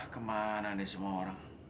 kemana nih semua orang